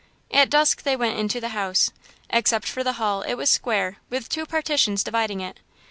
At dusk they went into the house. Except for the hall, it was square, with two partitions dividing it.